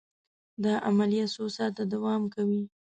دا عملیه څو ساعته دوام کوي.